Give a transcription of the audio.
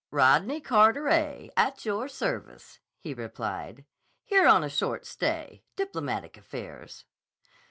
"Rodney Carteret, at your service," he replied. "Here on a short stay. Diplomatic affairs."